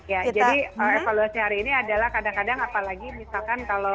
ya jadi evaluasi hari ini adalah kadang kadang apalagi misalkan kalau